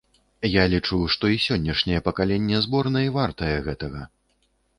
Я лічу, што і сённяшняе пакаленне зборнай вартае гэтага.